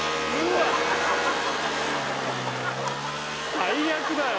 最悪だよ